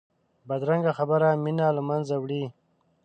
بدرنګه خبره مینه له منځه وړي